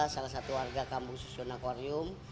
salah satu warga kambung susu nakwarium